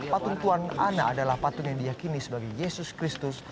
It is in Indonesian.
patung tuan ana adalah patung yang diakini sebagai yesus kristus